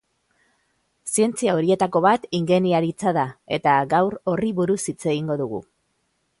Zientzia horietako bat ingeniaritza da, eta gaur horri buruz hitz egingo dugu.